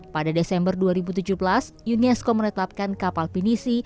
pada desember dua ribu tujuh belas unesco menetapkan kapal pinisi